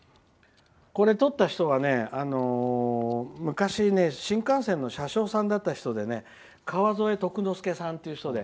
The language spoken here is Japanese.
これを撮った人は昔、新幹線の車掌さんだった人でかわぞえとくのすけさんって人で。